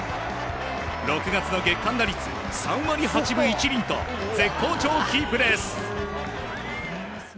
６月の月間打率３割８分１厘と絶好調をキープです！